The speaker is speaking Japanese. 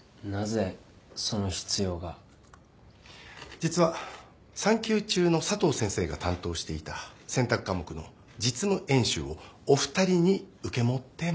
実は産休中の佐藤先生が担当していた選択科目の実務演習をお二人に受け持ってもらいたいんです。